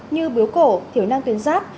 như bướu cổ thiếu năng tuyến giáp